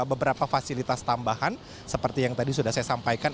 beberapa fasilitas tambahan seperti yang tadi sudah saya sampaikan